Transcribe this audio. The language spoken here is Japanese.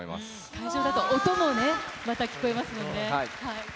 会場だと音もね、また聞こえますもんね。